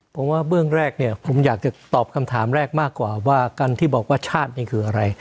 ผมว่าเบื้องแรกเนี่ยผมอยากจะตอบคำถามแรกมากกว่าว่าการที่บอกว่าชาตินี่คืออะไร